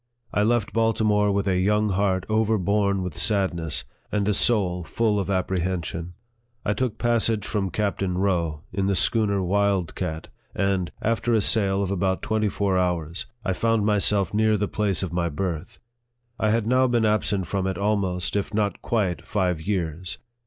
I left Baltimore with a young heart overborne with sadness, and a soul full of apprehen sion. I took passage with Captain Rowe, in the schooner Wild Cat, and, after a sail of about twenty four hours, I found myself near the place of my birth. I had now been absent from it almost, if not quite, five years.